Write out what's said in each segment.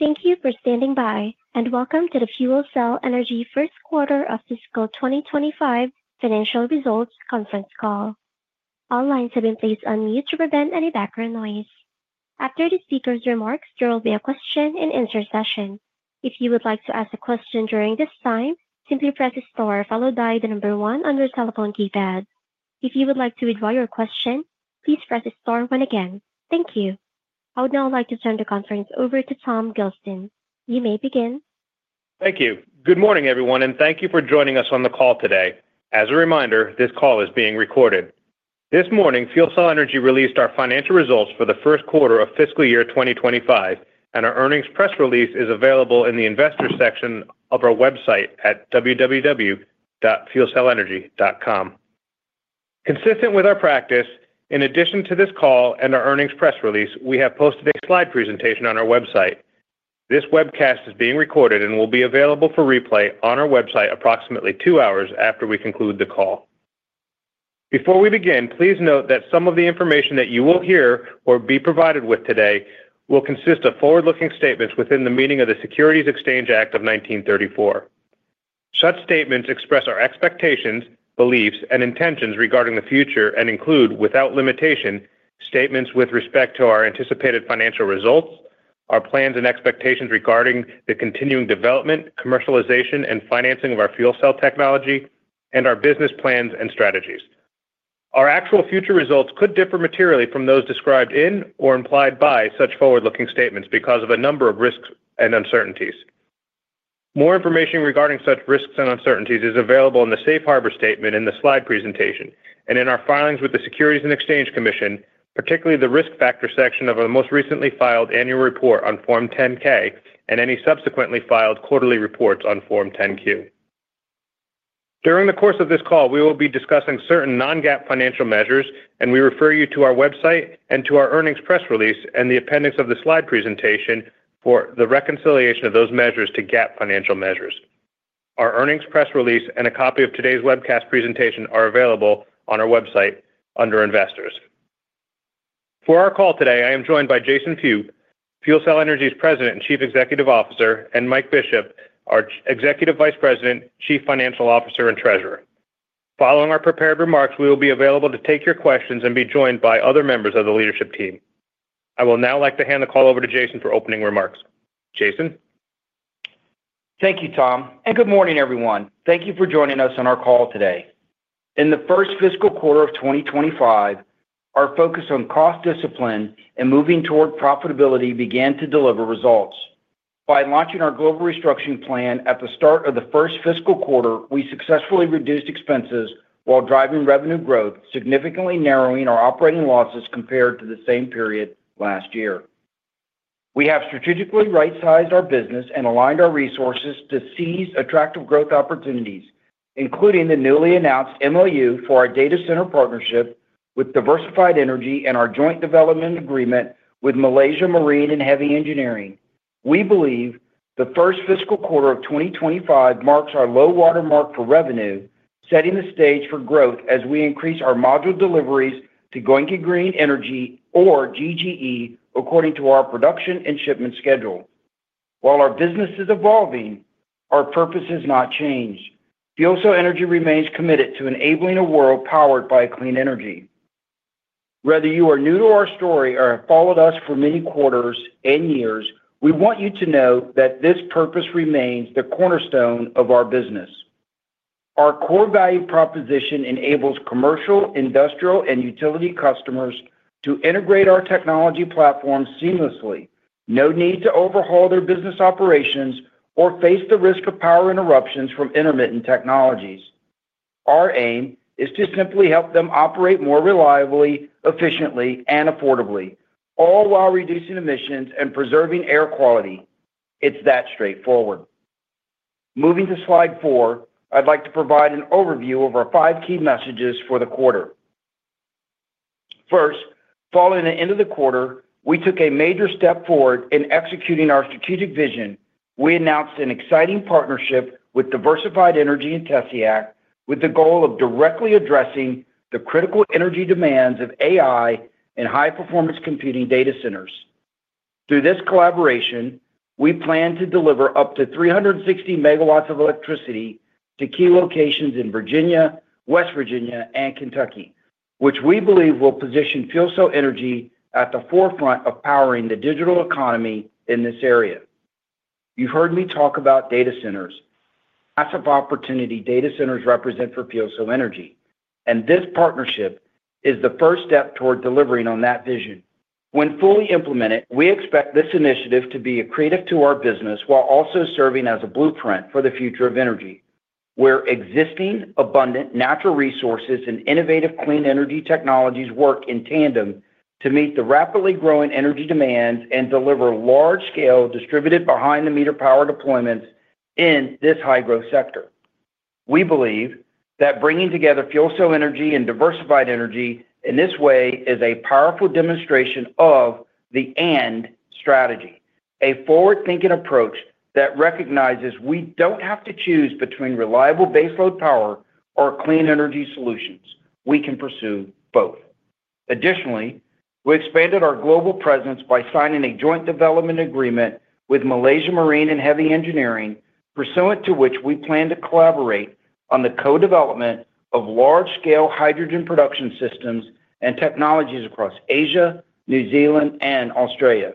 Thank you for standing by, and welcome to the FuelCell Energy First Quarter of Fiscal 2025 Financial Results Conference Call. All lines have been placed on mute to prevent any background noise. After the speaker's remarks, there will be a question-and-answer session. If you would like to ask a question during this time, simply press "star" followed by the number one on your telephone keypad. If you would like to withdraw your question, please press "star" one again. Thank you. I would now like to turn the conference over to Tom Gelston. You may begin. Thank you. Good morning, everyone, and thank you for joining us on the call today. As a reminder, this call is being recorded. This morning, FuelCell Energy released our financial results for the first quarter of fiscal year 2025, and our earnings press release is available in the investors' section of our website at www.fuelcellenergy.com. Consistent with our practice, in addition to this call and our earnings press release, we have posted a slide presentation on our website. This webcast is being recorded and will be available for replay on our website approximately two hours after we conclude the call. Before we begin, please note that some of the information that you will hear or be provided with today will consist of forward-looking statements within the meaning of the Securities Exchange Act of 1934. Such statements express our expectations, beliefs, and intentions regarding the future and include, without limitation, statements with respect to our anticipated financial results, our plans and expectations regarding the continuing development, commercialization, and financing of our fuel cell technology, and our business plans and strategies. Our actual future results could differ materially from those described in or implied by such forward-looking statements because of a number of risks and uncertainties. More information regarding such risks and uncertainties is available in the safe harbor statement in the slide presentation and in our filings with the U.S. Securities and Exchange Commission, particularly the risk factor section of our most recently filed annual report on Form 10-K and any subsequently filed quarterly reports on Form 10-Q. During the course of this call, we will be discussing certain non-GAAP financial measures, and we refer you to our website and to our earnings press release and the appendix of the slide presentation for the reconciliation of those measures to GAAP financial measures. Our earnings press release and a copy of today's webcast presentation are available on our website under investors. For our call today, I am joined by Jason Few, FuelCell Energy's President and Chief Executive Officer, and Mike Bishop, our Executive Vice President, Chief Financial Officer, and Treasurer. Following our prepared remarks, we will be available to take your questions and be joined by other members of the leadership team. I will now like to hand the call over to Jason for opening remarks. Jason. Thank you, Tom, and good morning, everyone. Thank you for joining us on our call today. In the first fiscal quarter of 2025, our focus on cost discipline and moving toward profitability began to deliver results. By launching our global restructuring plan at the start of the first fiscal quarter, we successfully reduced expenses while driving revenue growth, significantly narrowing our operating losses compared to the same period last year. We have strategically right-sized our business and aligned our resources to seize attractive growth opportunities, including the newly announced MOU for our data center partnership with Diversified Energy and our joint development agreement with Malaysia Marine and Heavy Engineering. We believe the first fiscal quarter of 2025 marks our low watermark for revenue, setting the stage for growth as we increase our module deliveries to Gyeonggi Green Energy, or GGE, according to our production and shipment schedule. While our business is evolving, our purpose has not changed. FuelCell Energy remains committed to enabling a world powered by clean energy. Whether you are new to our story or have followed us for many quarters and years, we want you to know that this purpose remains the cornerstone of our business. Our core value proposition enables commercial, industrial, and utility customers to integrate our technology platform seamlessly, no need to overhaul their business operations or face the risk of power interruptions from intermittent technologies. Our aim is to simply help them operate more reliably, efficiently, and affordably, all while reducing emissions and preserving air quality. It's that straightforward. Moving to slide four, I'd like to provide an overview of our five key messages for the quarter. First, following the end of the quarter, we took a major step forward in executing our strategic vision. We announced an exciting partnership with Diversified Energy and TESIAC, with the goal of directly addressing the critical energy demands of AI and high-performance computing data centers. Through this collaboration, we plan to deliver up to 360 megawatts of electricity to key locations in Virginia, West Virginia, and Kentucky, which we believe will position FuelCell Energy at the forefront of powering the digital economy in this area. You've heard me talk about data centers. Massive opportunity data centers represent for FuelCell Energy, and this partnership is the first step toward delivering on that vision. When fully implemented, we expect this initiative to be accretive to our business while also serving as a blueprint for the future of energy, where existing abundant natural resources and innovative clean energy technologies work in tandem to meet the rapidly growing energy demands and deliver large-scale distributed behind-the-meter power deployments in this high-growth sector. We believe that bringing together FuelCell Energy and Diversified Energy in this way is a powerful demonstration of the AND strategy, a forward-thinking approach that recognizes we do not have to choose between reliable baseload power or clean energy solutions. We can pursue both. Additionally, we expanded our global presence by signing a joint development agreement with Malaysia Marine and Heavy Engineering, pursuant to which we plan to collaborate on the co-development of large-scale hydrogen production systems and technologies across Asia, New Zealand, and Australia.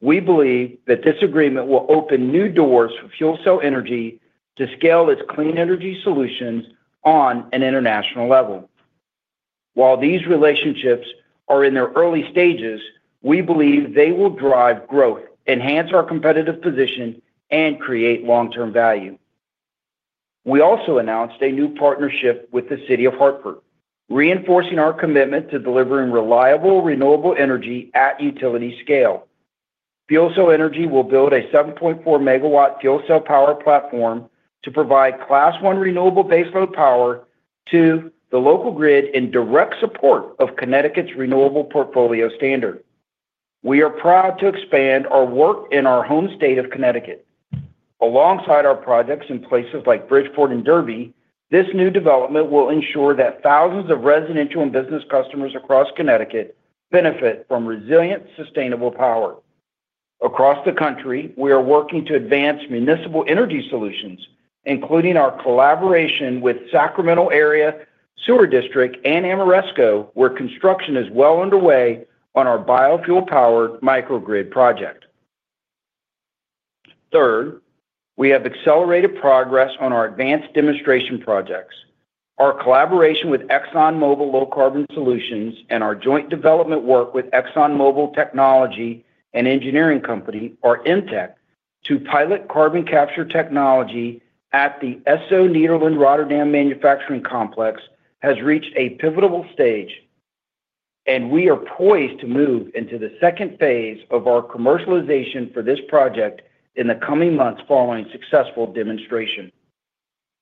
We believe that this agreement will open new doors for FuelCell Energy to scale its clean energy solutions on an international level. While these relationships are in their early stages, we believe they will drive growth, enhance our competitive position, and create long-term value. We also announced a new partnership with the City of Hartford, reinforcing our commitment to delivering reliable renewable energy at utility scale. FuelCell Energy will build a 7.4 megawatt fuel cell power platform to provide Class I renewable baseload power to the local grid in direct support of Connecticut's renewable portfolio standard. We are proud to expand our work in our home state of Connecticut. Alongside our projects in places like Bridgeport and Derby, this new development will ensure that thousands of residential and business customers across Connecticut benefit from resilient, sustainable power. Across the country, we are working to advance municipal energy solutions, including our collaboration with Sacramento Area Sewer District and Ameresco, where construction is well underway on our biofuel-powered microgrid project. Third, we have accelerated progress on our advanced demonstration projects. Our collaboration with ExxonMobil Low Carbon Solutions and our joint development work with ExxonMobil Technology and Engineering Company, or EMTEC, to pilot carbon capture technology at the Esso Nederland, Rotterdam manufacturing complex has reached a pivotal stage, and we are poised to move into the second phase of our commercialization for this project in the coming months following successful demonstration.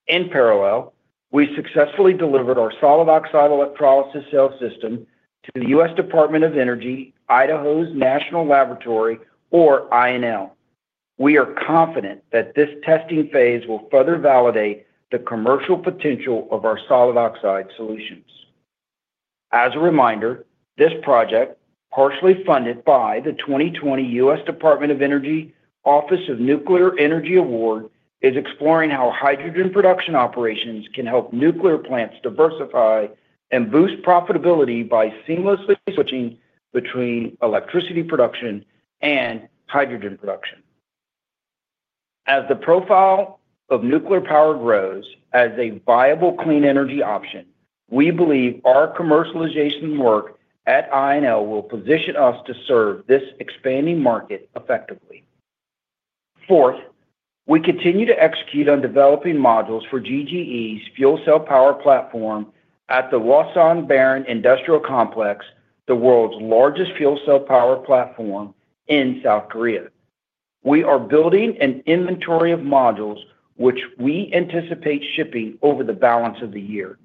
In parallel, we successfully delivered our solid oxide electrolysis cell system to the U.S. Department of Energy, Idaho National Laboratory, or INL. We are confident that this testing phase will further validate the commercial potential of our solid oxide solutions. As a reminder, this project, partially funded by the 2020 U.S. Department of Energy Office of Nuclear Energy Award, is exploring how hydrogen production operations can help nuclear plants diversify and boost profitability by seamlessly switching between electricity production and hydrogen production. As the profile of nuclear power grows as a viable clean energy option, we believe our commercialization work at INL will position us to serve this expanding market effectively. Fourth, we continue to execute on developing modules for GGE's fuel cell power platform at the Hwaseong Baran industrial complex, the world's largest fuel cell power platform in South Korea. We are building an inventory of modules, which we anticipate shipping over the balance of the year.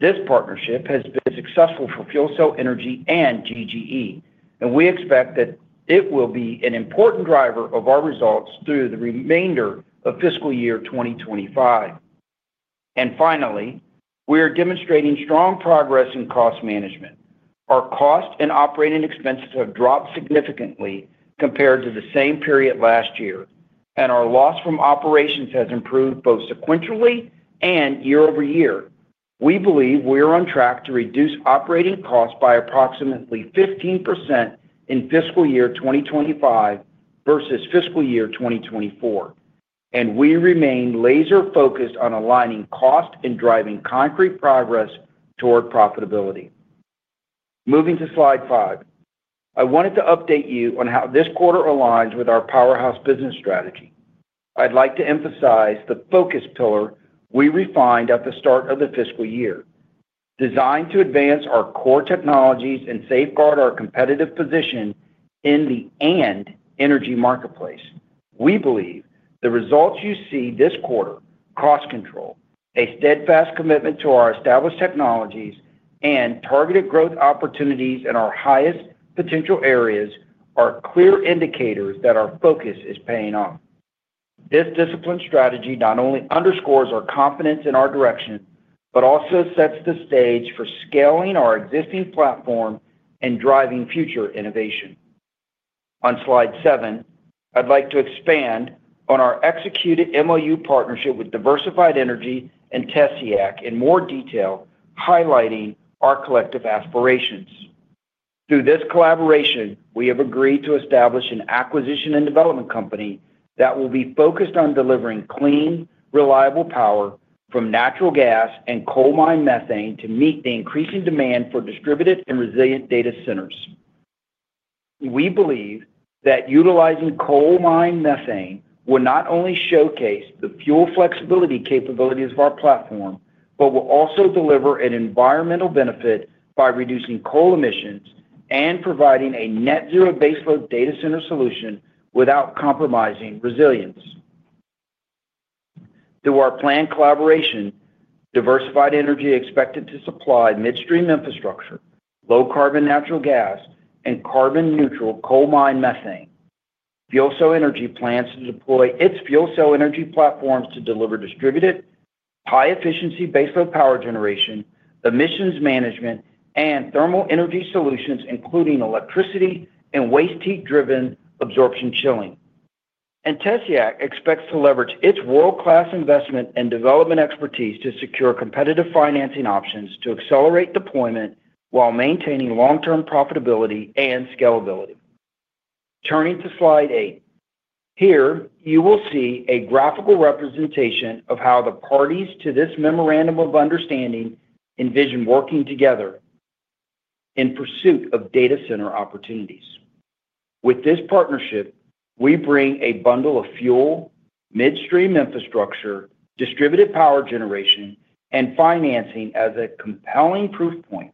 This partnership has been successful for FuelCell Energy and GGE, and we expect that it will be an important driver of our results through the remainder of fiscal year 2025. Finally, we are demonstrating strong progress in cost management. Our cost and operating expenses have dropped significantly compared to the same period last year, and our loss from operations has improved both sequentially and year over year. We believe we are on track to reduce operating costs by approximately 15% in fiscal year 2025 versus fiscal year 2024, and we remain laser-focused on aligning cost and driving concrete progress toward profitability. Moving to slide five, I wanted to update you on how this quarter aligns with our powerhouse business strategy. I'd like to emphasize the focus pillar we refined at the start of the fiscal year. Designed to advance our core technologies and safeguard our competitive position in the AND energy marketplace, we believe the results you see this quarter—cost control, a steadfast commitment to our established technologies, and targeted growth opportunities in our highest potential areas—are clear indicators that our focus is paying off. This disciplined strategy not only underscores our confidence in our direction, but also sets the stage for scaling our existing platform and driving future innovation. On slide seven, I'd like to expand on our executed MOU partnership with Diversified Energy and TESIAC in more detail, highlighting our collective aspirations. Through this collaboration, we have agreed to establish an acquisition and development company that will be focused on delivering clean, reliable power from natural gas and coal-mine methane to meet the increasing demand for distributed and resilient data centers. We believe that utilizing coal-mine methane will not only showcase the fuel flexibility capabilities of our platform, but will also deliver an environmental benefit by reducing coal emissions and providing a net-zero baseload data center solution without compromising resilience. Through our planned collaboration, Diversified Energy expected to supply midstream infrastructure, low-carbon natural gas, and carbon-neutral coal-mine methane. FuelCell Energy plans to deploy its FuelCell Energy platforms to deliver distributed, high-efficiency baseload power generation, emissions management, and thermal energy solutions, including electricity and waste heat-driven absorption chilling. TESIAC expects to leverage its world-class investment and development expertise to secure competitive financing options to accelerate deployment while maintaining long-term profitability and scalability. Turning to slide eight, here you will see a graphical representation of how the parties to this memorandum of understanding envision working together in pursuit of data center opportunities. With this partnership, we bring a bundle of fuel, midstream infrastructure, distributed power generation, and financing as a compelling proof point.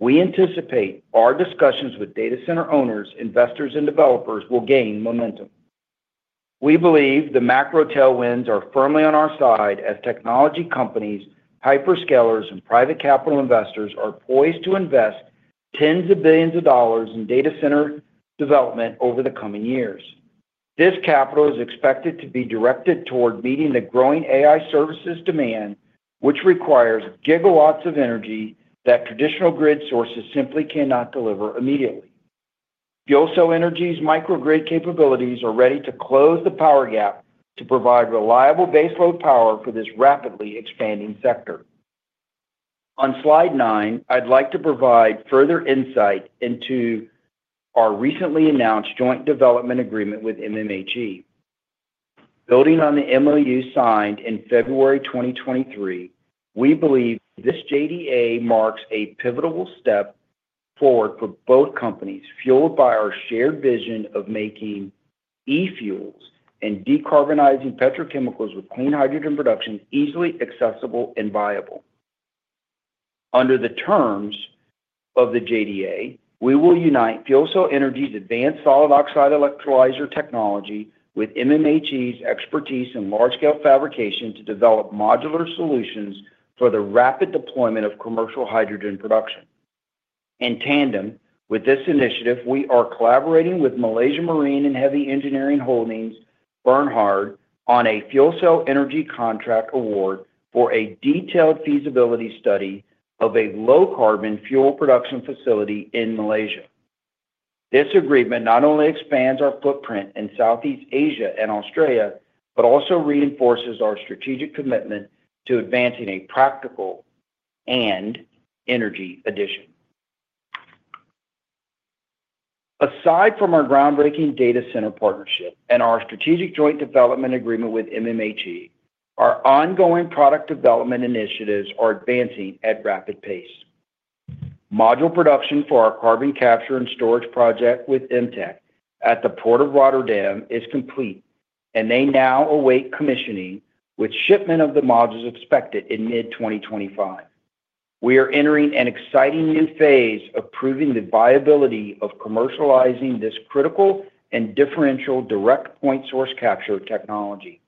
We anticipate our discussions with data center owners, investors, and developers will gain momentum. We believe the macro tailwinds are firmly on our side as technology companies, hyperscalers, and private capital investors are poised to invest tens of billions of dollars in data center development over the coming years. This capital is expected to be directed toward meeting the growing AI services demand, which requires gigawatts of energy that traditional grid sources simply cannot deliver immediately. FuelCell Energy's microgrid capabilities are ready to close the power gap to provide reliable baseload power for this rapidly expanding sector. On slide nine, I'd like to provide further insight into our recently announced joint development agreement with MMHE. Building on the MOU signed in February 2023, we believe this JDA marks a pivotal step forward for both companies, fueled by our shared vision of making e-fuels and decarbonizing petrochemicals with clean hydrogen production easily accessible and viable. Under the terms of the JDA, we will unite FuelCell Energy's advanced solid oxide electrolyzer technology with MMHE's expertise in large-scale fabrication to develop modular solutions for the rapid deployment of commercial hydrogen production. In tandem with this initiative, we are collaborating with Malaysia Marine and Heavy Engineering on a FuelCell Energy contract award for a detailed feasibility study of a low-carbon fuel production facility in Malaysia. This agreement not only expands our footprint in Southeast Asia and Australia, but also reinforces our strategic commitment to advancing a practical AND energy addition. Aside from our groundbreaking data center partnership and our strategic joint development agreement with MMHE, our ongoing product development initiatives are advancing at rapid pace. Module production for our carbon capture and storage project with EMTEC at the Port of Rotterdam is complete, and they now await commissioning, with shipment of the modules expected in mid-2025. We are entering an exciting new phase of proving the viability of commercializing this critical and differential direct point source capture technology.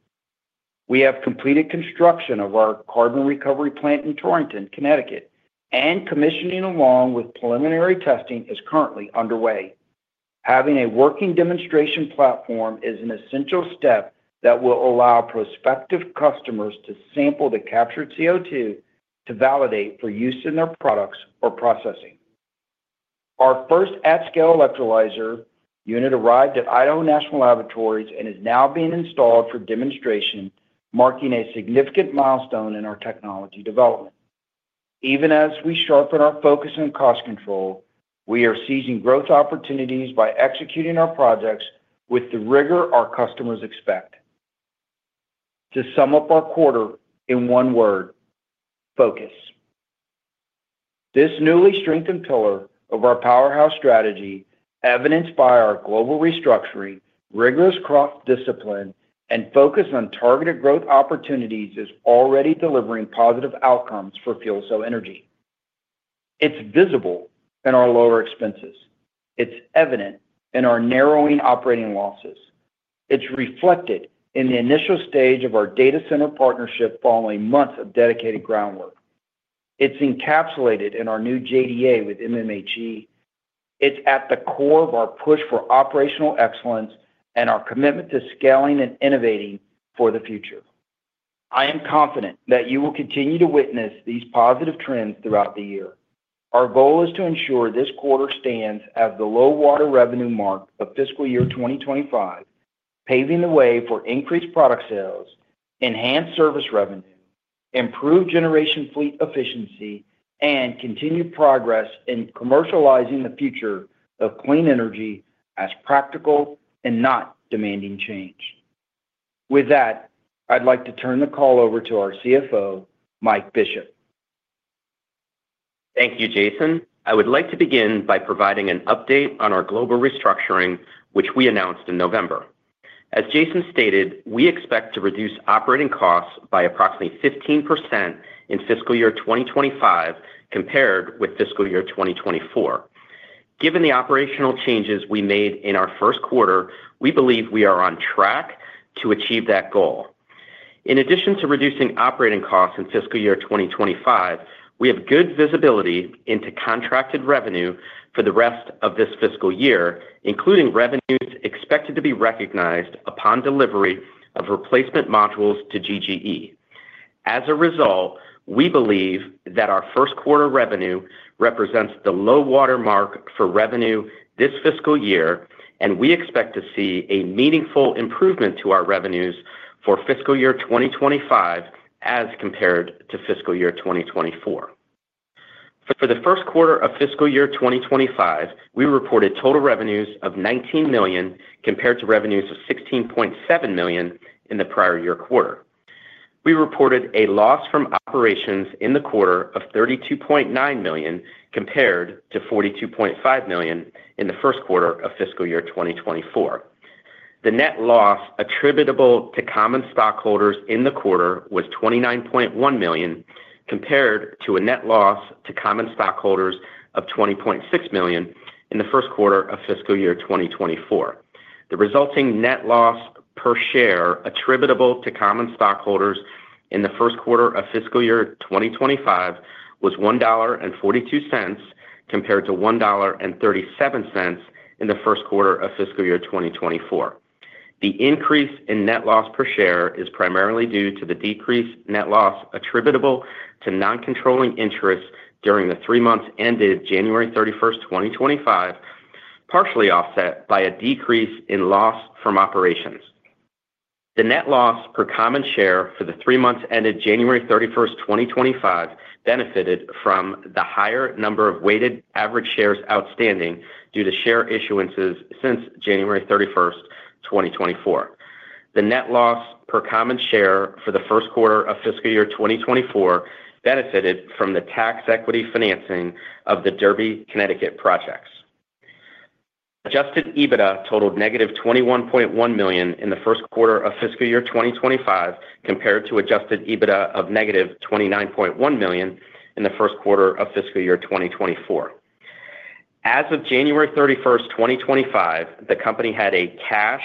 We have completed construction of our carbon recovery plant in Torrington, Connecticut, and commissioning along with preliminary testing is currently underway. Having a working demonstration platform is an essential step that will allow prospective customers to sample the captured CO2 to validate for use in their products or processing. Our first at-scale electrolyzer unit arrived at Idaho National Laboratory and is now being installed for demonstration, marking a significant milestone in our technology development. Even as we sharpen our focus on cost control, we are seizing growth opportunities by executing our projects with the rigor our customers expect. To sum up our quarter in one word: focus. This newly strengthened pillar of our powerhouse strategy, evidenced by our global restructuring, rigorous cross-discipline, and focus on targeted growth opportunities, is already delivering positive outcomes for FuelCell Energy. It's visible in our lower expenses. It's evident in our narrowing operating losses. It's reflected in the initial stage of our data center partnership following months of dedicated groundwork. It's encapsulated in our new JDA with MMHE. It's at the core of our push for operational excellence and our commitment to scaling and innovating for the future. I am confident that you will continue to witness these positive trends throughout the year. Our goal is to ensure this quarter stands as the low-water revenue mark of fiscal year 2025, paving the way for increased product sales, enhanced service revenue, improved generation fleet efficiency, and continued progress in commercializing the future of clean energy as practical and not demanding change. With that, I'd like to turn the call over to our CFO, Mike Bishop. Thank you, Jason. I would like to begin by providing an update on our global restructuring, which we announced in November. As Jason stated, we expect to reduce operating costs by approximately 15% in fiscal year 2025 compared with fiscal year 2024. Given the operational changes we made in our first quarter, we believe we are on track to achieve that goal. In addition to reducing operating costs in fiscal year 2025, we have good visibility into contracted revenue for the rest of this fiscal year, including revenues expected to be recognized upon delivery of replacement modules to GGE. As a result, we believe that our first quarter revenue represents the low-water mark for revenue this fiscal year, and we expect to see a meaningful improvement to our revenues for fiscal year 2025 as compared to fiscal year 2024. For the first quarter of fiscal year 2025, we reported total revenues of $19 million compared to revenues of $16.7 million in the prior year quarter. We reported a loss from operations in the quarter of $32.9 million compared to $42.5 million in the first quarter of fiscal year 2024. The net loss attributable to common stockholders in the quarter was $29.1 million compared to a net loss to common stockholders of $20.6 million in the first quarter of fiscal year 2024. The resulting net loss per share attributable to common stockholders in the first quarter of fiscal year 2025 was $1.42 compared to $1.37 in the first quarter of fiscal year 2024. The increase in net loss per share is primarily due to the decreased net loss attributable to non-controlling interest during the three months ended January 31, 2025, partially offset by a decrease in loss from operations. The net loss per common share for the three months ended January 31st, 2025 benefited from the higher number of weighted average shares outstanding due to share issuances since January 31st, 2024. The net loss per common share for the first quarter of fiscal year 2024 benefited from the tax equity financing of the Derby, Connecticut projects. Adjusted EBITDA totaled negative $21.1 million in the first quarter of fiscal year 2025 compared to adjusted EBITDA of negative $29.1 million in the first quarter of fiscal year 2024. As of January 31st, 2025, the company had a cash,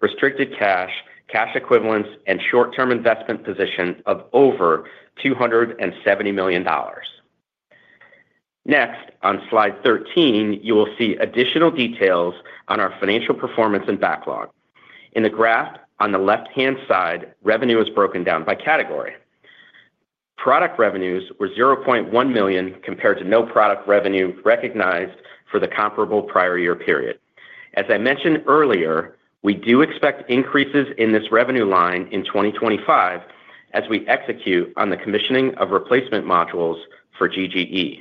restricted cash, cash equivalents, and short-term investment position of over $270 million. Next, on slide 13, you will see additional details on our financial performance and backlog. In the graph on the left-hand side, revenue is broken down by category. Product revenues were $0.1 million compared to no product revenue recognized for the comparable prior year period. As I mentioned earlier, we do expect increases in this revenue line in 2025 as we execute on the commissioning of replacement modules for GGE.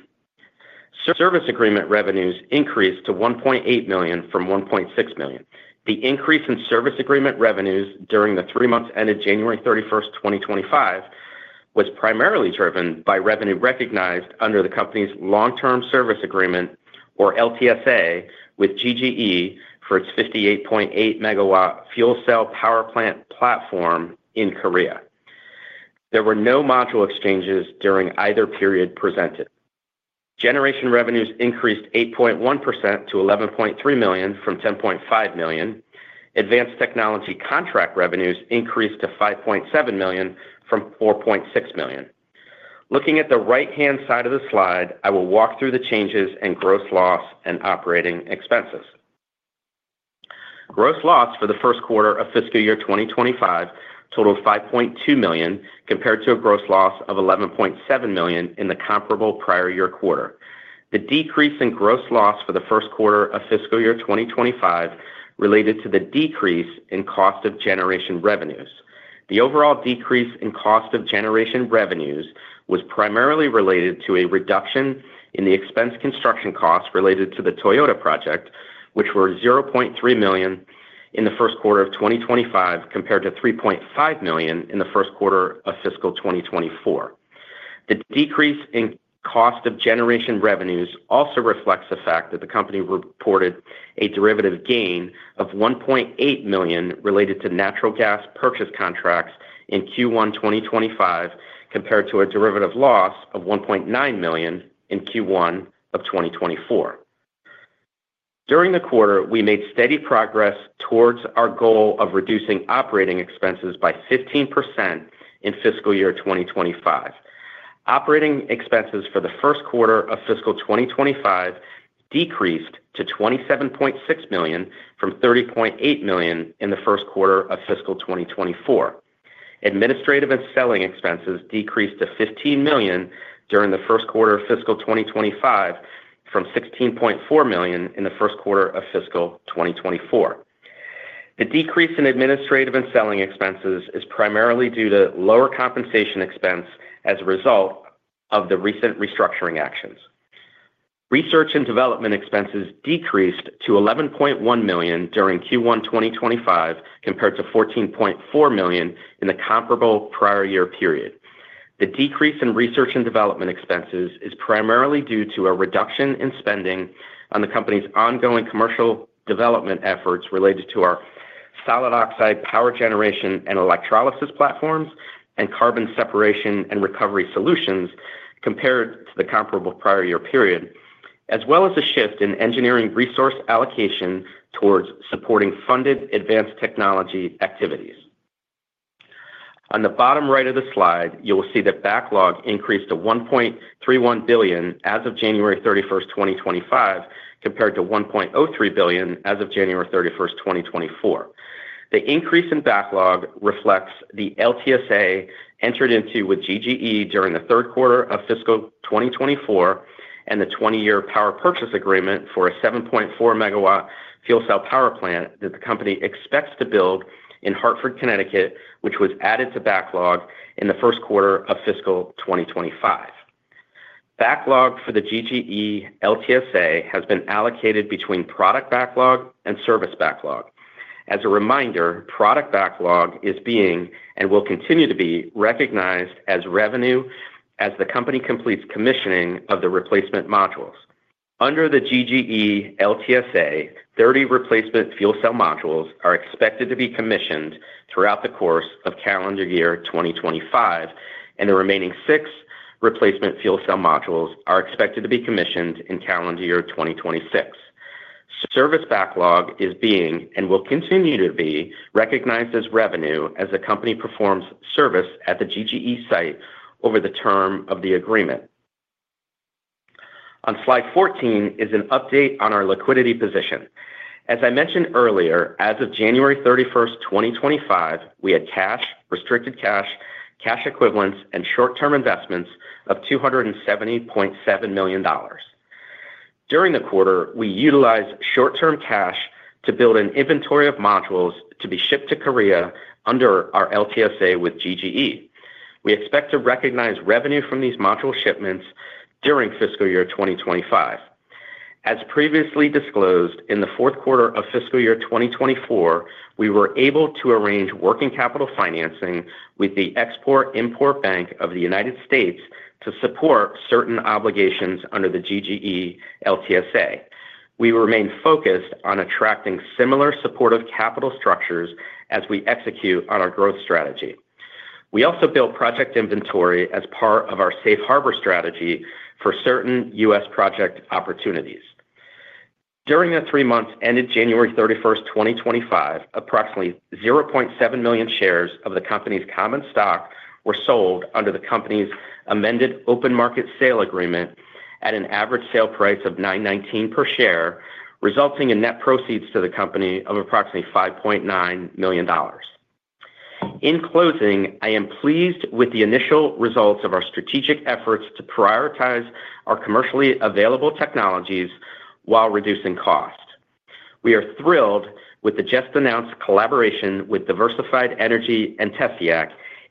Service agreement revenues increased to $1.8 million from $1.6 million. The increase in service agreement revenues during the three months ended January 31, 2025 was primarily driven by revenue recognized under the company's long-term service agreement, or LTSA, with GGE for its 58.8 megawatt fuel cell power plant platform in Korea. There were no module exchanges during either period presented. Generation revenues increased 8.1% to $11.3 million from $10.5 million. Advanced technology contract revenues increased to $5.7 million from $4.6 million. Looking at the right-hand side of the slide, I will walk through the changes in gross loss and operating expenses. Gross loss for the first quarter of fiscal year 2025 totaled $5.2 million compared to a gross loss of $11.7 million in the comparable prior year quarter. The decrease in gross loss for the first quarter of fiscal year 2025 related to the decrease in cost of generation revenues. The overall decrease in cost of generation revenues was primarily related to a reduction in the expense construction costs related to the Toyota project, which were $0.3 million in the first quarter of 2025 compared to $3.5 million in the first quarter of fiscal 2024. The decrease in cost of generation revenues also reflects the fact that the company reported a derivative gain of $1.8 million related to natural gas purchase contracts in Q1 2025 compared to a derivative loss of $1.9 million in Q1 of 2024. During the quarter, we made steady progress towards our goal of reducing operating expenses by 15% in fiscal year 2025. Operating expenses for the first quarter of fiscal 2025 decreased to $27.6 million from $30.8 million in the first quarter of fiscal 2024. Administrative and selling expenses decreased to $15 million during the first quarter of fiscal 2025 from $16.4 million in the first quarter of fiscal 2024. The decrease in administrative and selling expenses is primarily due to lower compensation expense as a result of the recent restructuring actions. Research and development expenses decreased to $11.1 million during Q1 2025 compared to $14.4 million in the comparable prior year period. The decrease in research and development expenses is primarily due to a reduction in spending on the company's ongoing commercial development efforts related to our solid oxide power generation and electrolysis platforms and carbon separation and recovery solutions compared to the comparable prior year period, as well as a shift in engineering resource allocation towards supporting funded advanced technology activities. On the bottom right of the slide, you will see the backlog increased to $1.31 billion as of January 31, 2025, compared to $1.03 billion as of January 31, 2024. The increase in backlog reflects the LTSA entered into with GGE during the third quarter of fiscal 2024 and the 20-year power purchase agreement for a 7.4 megawatt fuel cell power plant that the company expects to build in Hartford, Connecticut, which was added to backlog in the first quarter of fiscal 2025. Backlog for the GGE LTSA has been allocated between product backlog and service backlog. As a reminder, product backlog is being and will continue to be recognized as revenue as the company completes commissioning of the replacement modules. Under the GGE LTSA, 30 replacement fuel cell modules are expected to be commissioned throughout the course of calendar year 2025, and the remaining 6 replacement fuel cell modules are expected to be commissioned in calendar year 2026. Service backlog is being and will continue to be recognized as revenue as the company performs service at the GGE site over the term of the agreement. On slide 14 is an update on our liquidity position. As I mentioned earlier, as of January 31, 2025, we had cash, restricted cash, cash equivalents, and short-term investments of $270.7 million. During the quarter, we utilized short-term cash to build an inventory of modules to be shipped to Korea under our LTSA with GGE. We expect to recognize revenue from these module shipments during fiscal year 2025. As previously disclosed, in the fourth quarter of fiscal year 2024, we were able to arrange working capital financing with the Export-Import Bank of the United States to support certain obligations under the GGE LTSA. We remain focused on attracting similar supportive capital structures as we execute on our growth strategy. We also built project inventory as part of our safe harbor strategy for certain U.S. project opportunities. During the three months ended January 31, 2025, approximately 0.7 million shares of the company's common stock were sold under the company's amended open market sale agreement at an average sale price of $9.19 per share, resulting in net proceeds to the company of approximately $5.9 million. In closing, I am pleased with the initial results of our strategic efforts to prioritize our commercially available technologies while reducing cost. We are thrilled with the just-announced collaboration with Diversified Energy and TESIAC,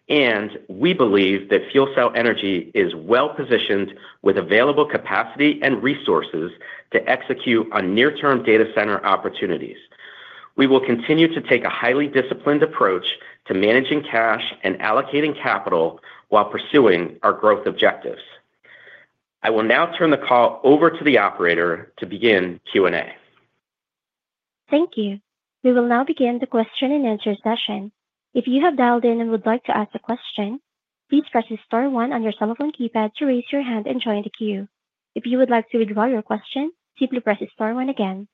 and we believe that FuelCell Energy is well-positioned with available capacity and resources to execute on near-term data center opportunities. We will continue to take a highly disciplined approach to managing cash and allocating capital while pursuing our growth objectives. I will now turn the call over to the operator to begin Q&A. Thank you. We will now begin the question-and-answer session. If you have dialed in and would like to ask a question, please press Star 1 on your cell phone keypad to raise your hand and join the queue. If you would like to withdraw your question, simply press Star 1 again.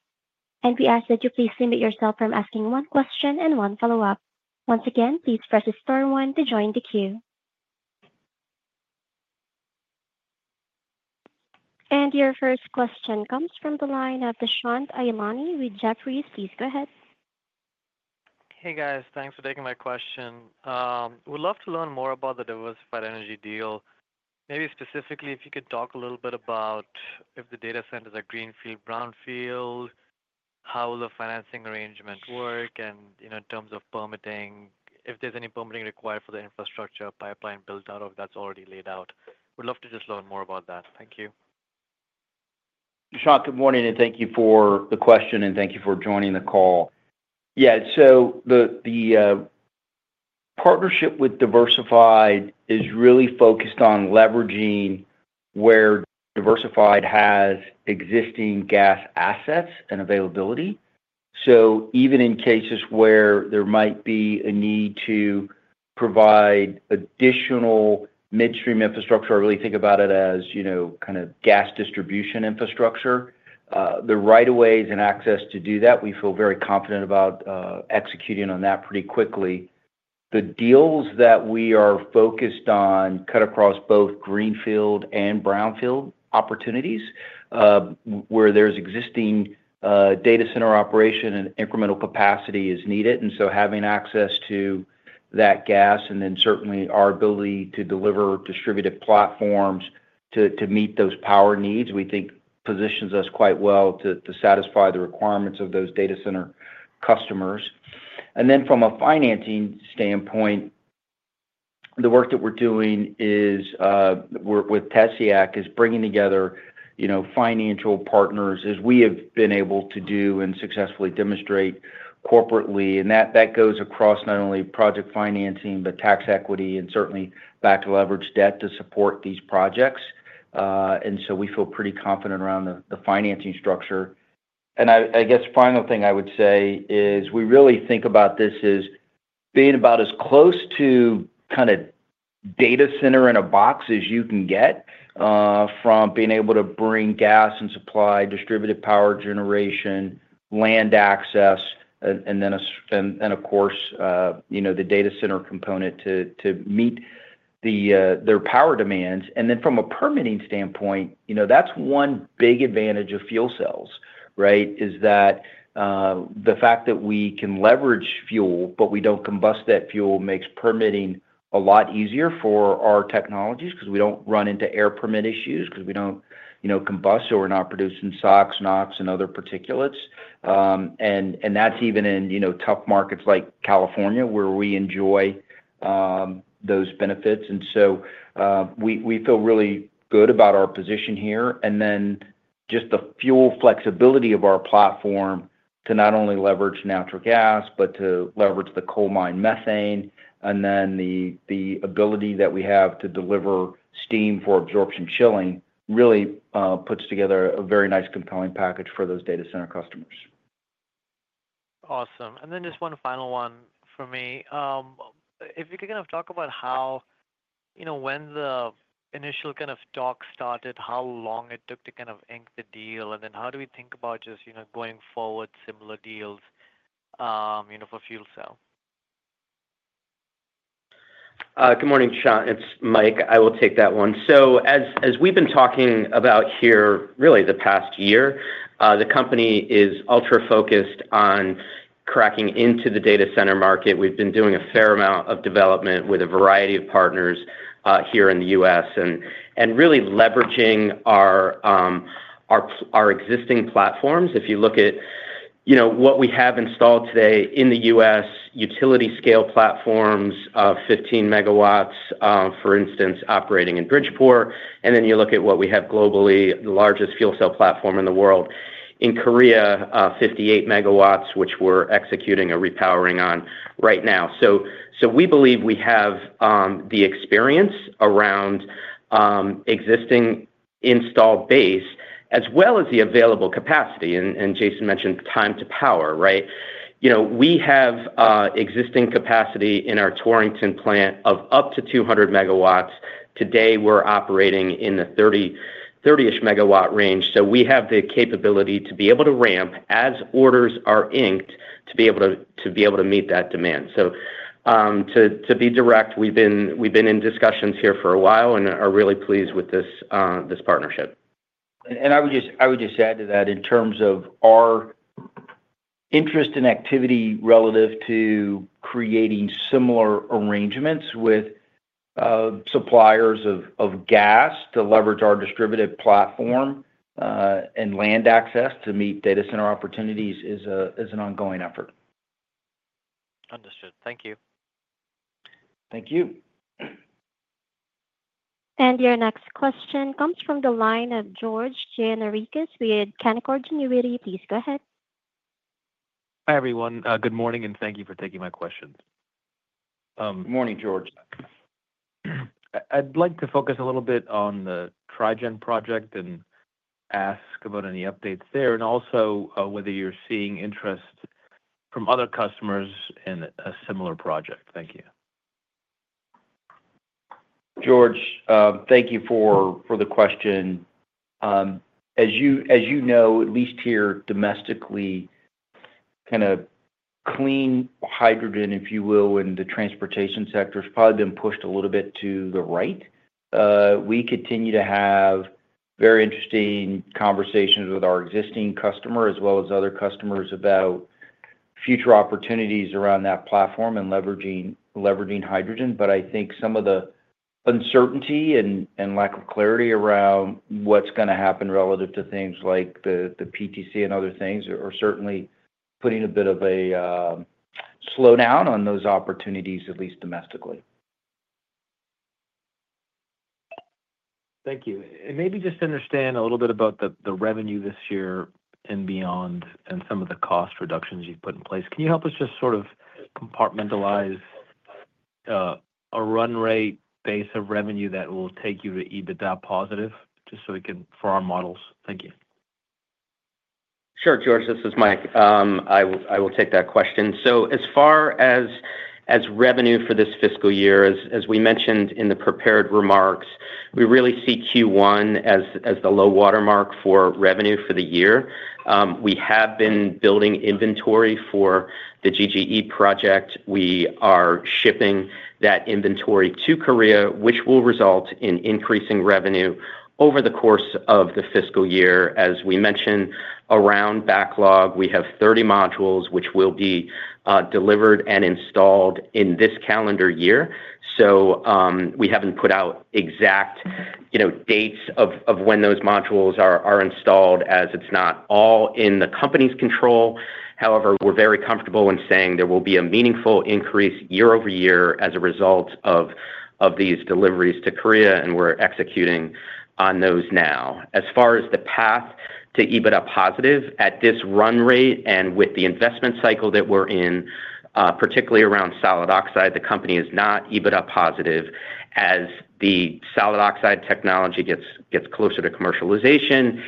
We ask that you please limit yourself to asking one question and one follow-up. Once again, please press Star 1 to join the queue. Your first question comes from the line of Dushyant Ailani. Please go ahead. Hey, guys. Thanks for taking my question. We'd love to learn more about the Diversified Energy deal. Maybe specifically, if you could talk a little bit about if the data centers are greenfield, brownfield, how will the financing arrangement work, and in terms of permitting, if there's any permitting required for the infrastructure pipeline build out or if that's already laid out. We'd love to just learn more about that. Thank you. Dushyant, good morning, and thank you for the question, and thank you for joining the call. Yeah. The partnership with Diversified Energy is really focused on leveraging where Diversified Energy has existing gas assets and availability. Even in cases where there might be a need to provide additional midstream infrastructure, I really think about it as kind of gas distribution infrastructure. The right-of-ways and access to do that, we feel very confident about executing on that pretty quickly. The deals that we are focused on cut across both greenfield and brownfield opportunities where there's existing data center operation and incremental capacity is needed. Having access to that gas and then certainly our ability to deliver distributed platforms to meet those power needs, we think positions us quite well to satisfy the requirements of those data center customers. From a financing standpoint, the work that we're doing with Tessiak is bringing together financial partners as we have been able to do and successfully demonstrate corporately. That goes across not only project financing but tax equity and certainly backed leverage debt to support these projects. We feel pretty confident around the financing structure. The final thing I would say is we really think about this as being about as close to kind of data center in a box as you can get from being able to bring gas and supply distributed power generation, land access, and then, of course, the data center component to meet their power demands. From a permitting standpoint, that's one big advantage of fuel cells, right, is that the fact that we can leverage fuel but we don't combust that fuel makes permitting a lot easier for our technologies because we don't run into air permit issues because we don't combust or we're not producing SOx, NOx, and other particulates. That's even in tough markets like California where we enjoy those benefits. We feel really good about our position here. The fuel flexibility of our platform to not only leverage natural gas but to leverage the coal-mine methane, and the ability that we have to deliver steam for absorption chilling, really puts together a very nice compelling package for those data center customers. Awesome. Just one final one for me. If you could kind of talk about when the initial kind of talk started, how long it took to kind of ink the deal, and then how do we think about just going forward similar deals for fuel cell? Good morning, Dushyant. It's Mike. I will take that one. As we've been talking about here, really the past year, the company is ultra-focused on cracking into the data center market. We've been doing a fair amount of development with a variety of partners here in the U.S. and really leveraging our existing platforms. If you look at what we have installed today in the U.S., utility-scale platforms of 15 megawatts, for instance, operating in Bridgeport. And then you look at what we have globally, the largest fuel cell platform in the world. In Korea, 58 megawatts, which we're executing a repowering on right now. We believe we have the experience around existing installed base as well as the available capacity. Jason mentioned time to power, right? We have existing capacity in our Torrington plant of up to 200 megawatts. Today, we're operating in the 30-ish megawatt range. We have the capability to be able to ramp as orders are inked to be able to meet that demand. To be direct, we've been in discussions here for a while and are really pleased with this partnership. I would just add to that in terms of our interest and activity relative to creating similar arrangements with suppliers of gas to leverage our distributed platform and land access to meet data center opportunities is an ongoing effort. Understood. Thank you. Thank you. Your next question comes from the line of George Gianarikas with Canaccord Genuity. Please go ahead. Hi, everyone. Good morning, and thank you for taking my questions. Good morning, George. I'd like to focus a little bit on the Tri-gen project and ask about any updates there and also whether you're seeing interest from other customers in a similar project. Thank you. George, thank you for the question. As you know, at least here domestically, kind of clean hydrogen, if you will, in the transportation sector has probably been pushed a little bit to the right. We continue to have very interesting conversations with our existing customer as well as other customers about future opportunities around that platform and leveraging hydrogen. I think some of the uncertainty and lack of clarity around what's going to happen relative to things like the PTC and other things are certainly putting a bit of a slowdown on those opportunities, at least domestically. Thank you. Maybe just to understand a little bit about the revenue this year and beyond and some of the cost reductions you've put in place. Can you help us just sort of compartmentalize a run rate base of revenue that will take you to EBITDA positive just so we can for our models? Thank you. Sure, George. This is Mike. I will take that question. As far as revenue for this fiscal year, as we mentioned in the prepared remarks, we really see Q1 as the low watermark for revenue for the year. We have been building inventory for the GGE project. We are shipping that inventory to Korea, which will result in increasing revenue over the course of the fiscal year. As we mentioned, around backlog, we have 30 modules which will be delivered and installed in this calendar year. We have not put out exact dates of when those modules are installed as it is not all in the company's control. However, we are very comfortable in saying there will be a meaningful increase year over year as a result of these deliveries to Korea, and we are executing on those now. As far as the path to EBITDA positive at this run rate and with the investment cycle that we are in, particularly around solid oxide, the company is not EBITDA positive as the solid oxide technology gets closer to commercialization.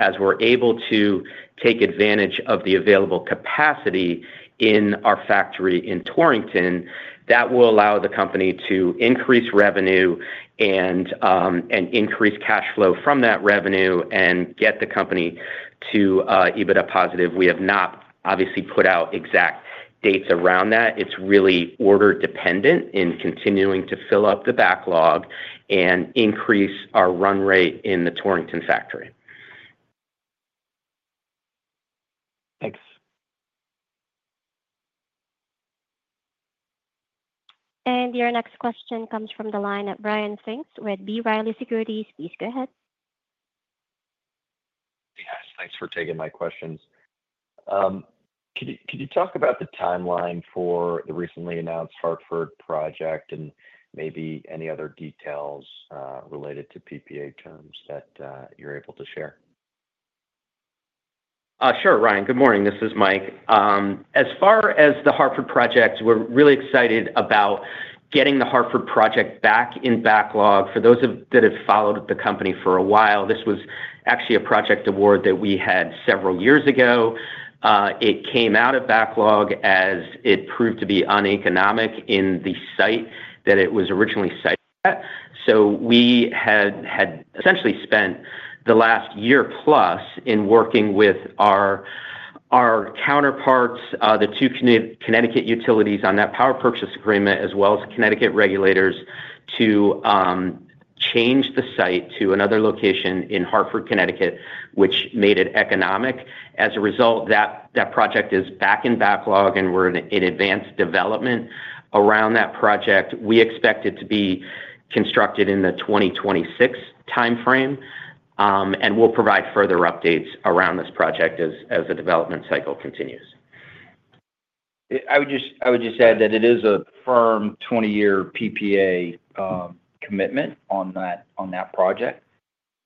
As we are able to take advantage of the available capacity in our factory in Torrington, that will allow the company to increase revenue and increase cash flow from that revenue and get the company to EBITDA positive. We have not obviously put out exact dates around that. It's really order-dependent in continuing to fill up the backlog and increase our run rate in the Torrington factory. Thanks. Your next question comes from the line of Ryan Pfingst with B. Riley Securities. Please go ahead. Yes. Thanks for taking my questions. Could you talk about the timeline for the recently announced Hartford project and maybe any other details related to PPA terms that you're able to share? Sure, Ryan. Good morning. This is Mike. As far as the Hartford project, we're really excited about getting the Hartford project back in backlog. For those that have followed the company for a while, this was actually a project award that we had several years ago. It came out of backlog as it proved to be uneconomic in the site that it was originally sited at. We had essentially spent the last year plus in working with our counterparts, the two Connecticut utilities on that power purchase agreement, as well as Connecticut regulators to change the site to another location in Hartford, Connecticut, which made it economic. As a result, that project is back in backlog, and we're in advanced development around that project. We expect it to be constructed in the 2026 timeframe, and we'll provide further updates around this project as the development cycle continues. I would just add that it is a firm 20-year PPA commitment on that project.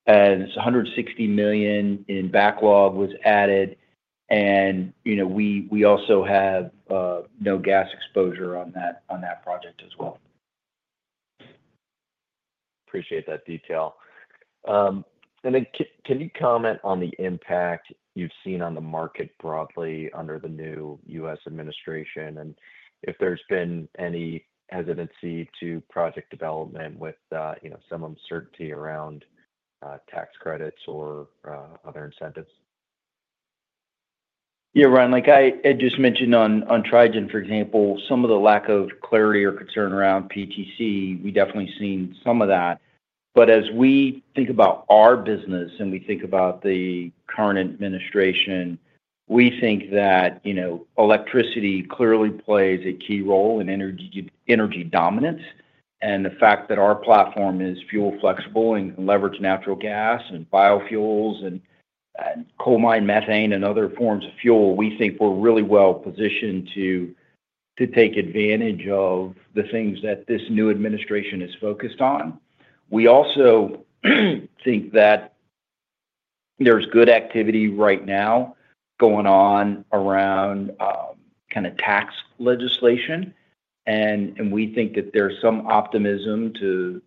Its $160 million in backlog was added. We also have no gas exposure on that project as well. Appreciate that detail. Can you comment on the impact you've seen on the market broadly under the new U.S. administration and if there's been any hesitancy to project development with some uncertainty around tax credits or other incentives? Yeah, Ryan. Like I just mentioned on Tri-gen, for example, some of the lack of clarity or concern around PTC, we've definitely seen some of that. As we think about our business and we think about the current administration, we think that electricity clearly plays a key role in energy dominance. The fact that our platform is fuel-flexible and can leverage natural gas and biofuels and coal-mine methane and other forms of fuel, we think we're really well positioned to take advantage of the things that this new administration is focused on. We also think that there's good activity right now going on around kind of tax legislation. We think that there's some optimism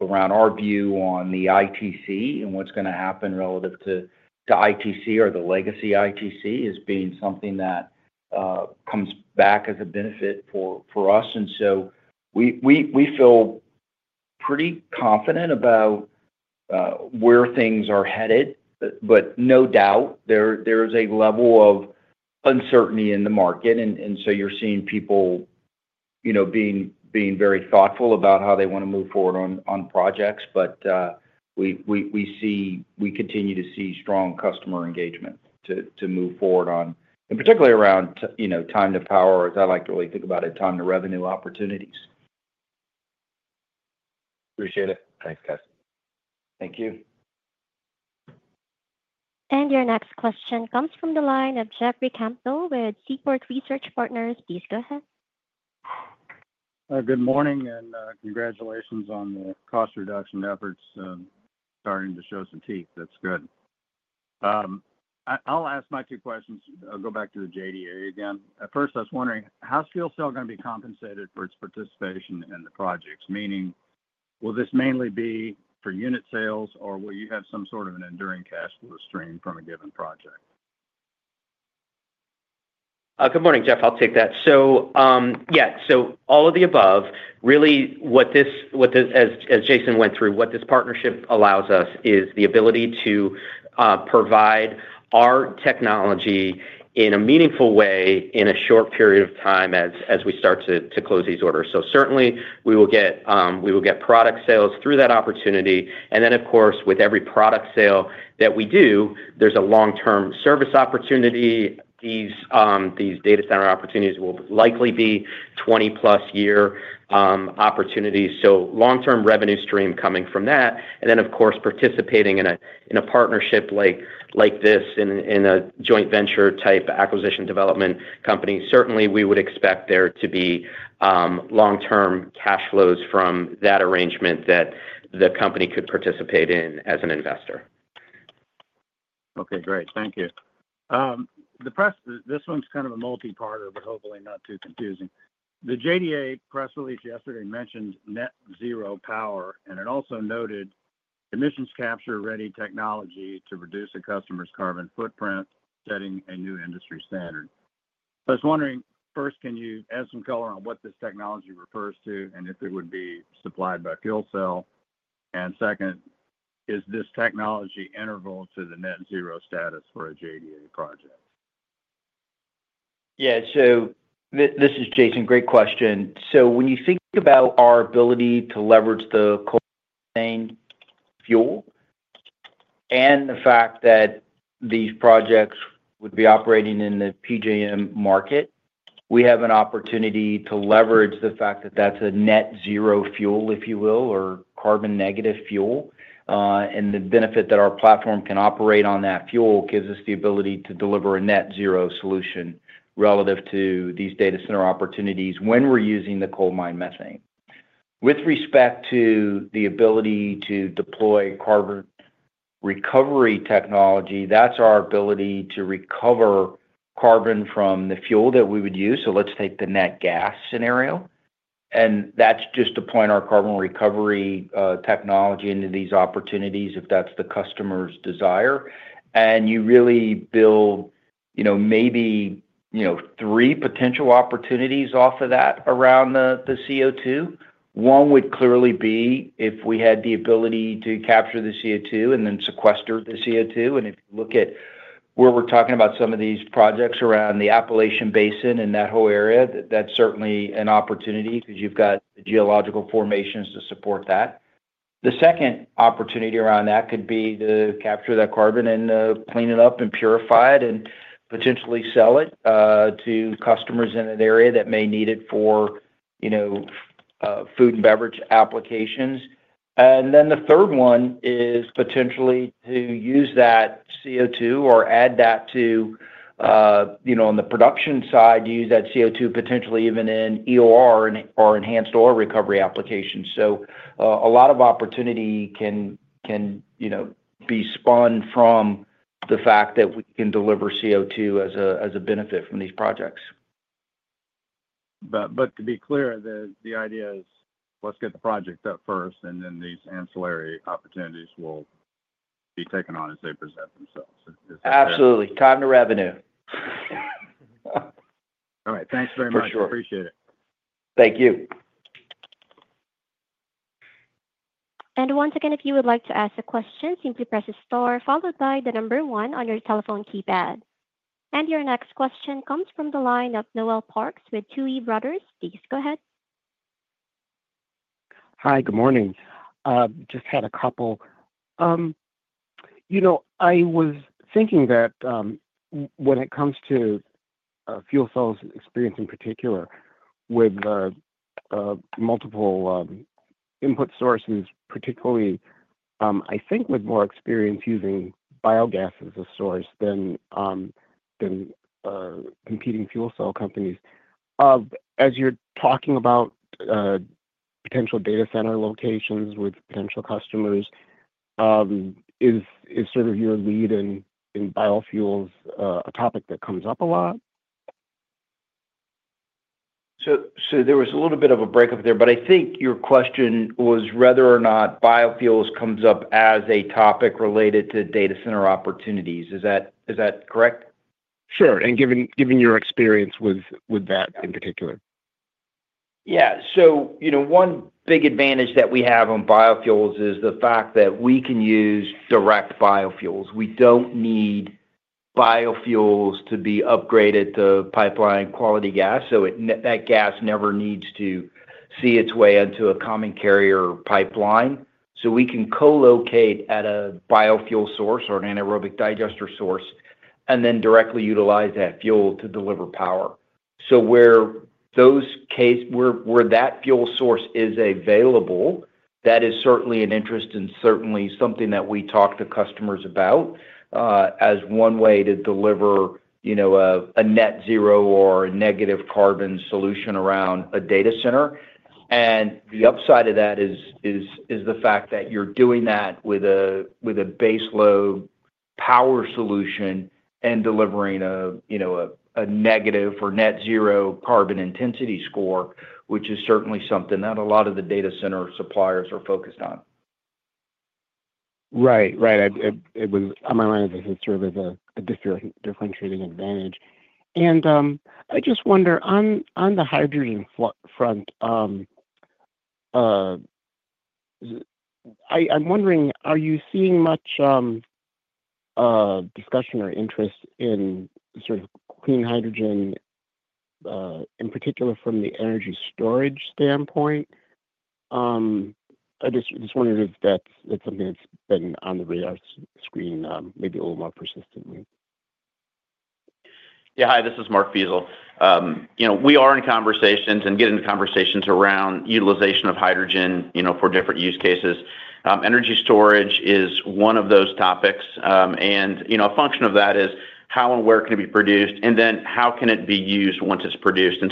around our view on the ITC and what's going to happen relative to ITC or the legacy ITC as being something that comes back as a benefit for us. We feel pretty confident about where things are headed. There is a level of uncertainty in the market. You are seeing people being very thoughtful about how they want to move forward on projects. We continue to see strong customer engagement to move forward on, and particularly around time to power, as I like to really think about it, time to revenue opportunities. Appreciate it. Thanks, guys. Thank you. Your next question comes from the line of Jeffrey Campbell with Seaport Research Partners. Please go ahead. Good morning, and congratulations on the cost reduction efforts starting to show some teeth. That's good. I'll ask my two questions. I'll go back to the JD area again. First, I was wondering, how's FuelCell going to be compensated for its participation in the projects? Meaning, will this mainly be for unit sales, or will you have some sort of an enduring cash flow stream from a given project? Good morning, Jeff. I'll take that. Yeah, all of the above. Really, as Jason went through, what this partnership allows us is the ability to provide our technology in a meaningful way in a short period of time as we start to close these orders. Certainly, we will get product sales through that opportunity. Of course, with every product sale that we do, there's a long-term service opportunity. These data center opportunities will likely be 20-plus-year opportunities. Long-term revenue stream coming from that. Of course, participating in a partnership like this in a joint venture type acquisition development company, certainly, we would expect there to be long-term cash flows from that arrangement that the company could participate in as an investor. Okay. Great. Thank you. This one's kind of a multi-part but hopefully not too confusing. The JDA press release yesterday mentioned net zero power, and it also noted emissions capture-ready technology to reduce a customer's carbon footprint, setting a new industry standard. I was wondering, first, can you add some color on what this technology refers to and if it would be supplied by FuelCell? Second, is this technology interval to the net zero status for a JDA project? Yeah. This is Jason. Great question. When you think about our ability to leverage the coal-methane fuel and the fact that these projects would be operating in the PJM market, we have an opportunity to leverage the fact that that's a net zero fuel, if you will, or carbon-negative fuel. The benefit that our platform can operate on that fuel gives us the ability to deliver a net zero solution relative to these data center opportunities when we're using the coal mine methane. With respect to the ability to deploy carbon recovery technology, that's our ability to recover carbon from the fuel that we would use. Let's take the net gas scenario. That's just to point our carbon recovery technology into these opportunities if that's the customer's desire. You really build maybe three potential opportunities off of that around the CO2. One would clearly be if we had the ability to capture the CO2 and then sequester the CO2. If you look at where we're talking about some of these projects around the Appalachian Basin and that whole area, that's certainly an opportunity because you've got the geological formations to support that. The second opportunity around that could be to capture that carbon and clean it up and purify it and potentially sell it to customers in an area that may need it for food and beverage applications. The third one is potentially to use that CO2 or add that to, on the production side, use that CO2 potentially even in EOR or enhanced oil recovery applications. A lot of opportunity can be spun from the fact that we can deliver CO2 as a benefit from these projects. To be clear, the idea is let's get the project up first, and then these ancillary opportunities will be taken on as they present themselves. Absolutely. Time to revenue. All right. Thanks very much. I appreciate it. Thank you. Once again, if you would like to ask a question, simply press the star followed by the number one on your telephone keypad. Your next question comes from the line of Noel Parks with Tuohy Brothers. Please go ahead. Hi. Good morning. Just had a couple. I was thinking that when it comes to fuel cells' experience in particular with multiple input sources, particularly, I think with more experience using biogas as a source than competing fuel cell companies. As you're talking about potential data center locations with potential customers, is sort of your lead in biofuels a topic that comes up a lot? There was a little bit of a breakup there, but I think your question was whether or not biofuels comes up as a topic related to data center opportunities. Is that correct? Sure. And given your experience with that in particular. Yeah. One big advantage that we have on biofuels is the fact that we can use direct biofuels. We don't need biofuels to be upgraded to pipeline quality gas. That gas never needs to see its way into a common carrier pipeline. We can co-locate at a biofuel source or an anaerobic digester source and then directly utilize that fuel to deliver power. Where that fuel source is available, that is certainly an interest and certainly something that we talk to customers about as one way to deliver a net zero or a negative carbon solution around a data center. The upside of that is the fact that you're doing that with a base load power solution and delivering a negative or net zero carbon intensity score, which is certainly something that a lot of the data center suppliers are focused on. Right. Right. It was on my mind as a sort of a differentiating advantage. I just wonder, on the hydrogen front, I'm wondering, are you seeing much discussion or interest in sort of clean hydrogen, in particular from the energy storage standpoint? I just wondered if that's something that's been on the radar screen maybe a little more persistently. Yeah. Hi. This is Mark Feasel. We are in conversations and get into conversations around utilization of hydrogen for different use cases. Energy storage is one of those topics. A function of that is how and where can it be produced, and then how can it be used once it's produced?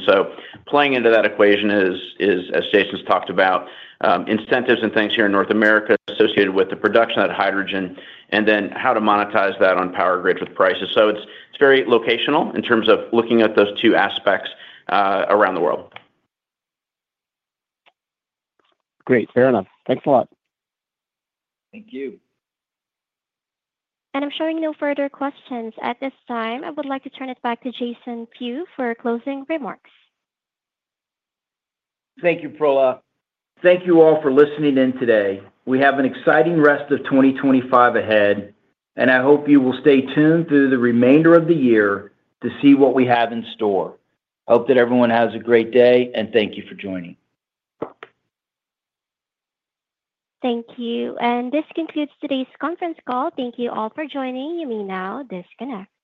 Playing into that equation is, as Jason's talked about, incentives and things here in North America associated with the production of hydrogen, and then how to monetize that on power grids with prices. It is very locational in terms of looking at those two aspects around the world. Great. Fair enough. Thanks a lot. Thank you. I'm showing no further questions at this time. I would like to turn it back to Jason Few for closing remarks. Thank you, Proela. Thank you all for listening in today. We have an exciting rest of 2025 ahead, and I hope you will stay tuned through the remainder of the year to see what we have in store. Hope that everyone has a great day, and thank you for joining. Thank you. This concludes today's conference call. Thank you all for joining. You may now disconnect.